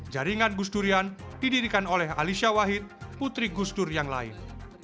jaringan gusdurian didirikan oleh alicia wahid putri gusdur yang lain